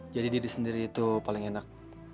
jadi diri sendiri itu paling enak